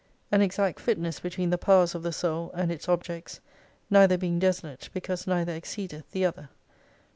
An exact fitness between the powers of the soul, and its objects : neither being desolate, because neither exceedeth the other.